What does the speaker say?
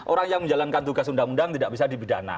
orang yang menjalankan tugas undang undang tidak bisa dipidana